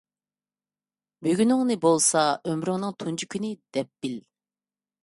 بۈگۈنۈڭنى بولسا ئۆمرۈمنىڭ تۇنجى كۈنى دەپ بىل.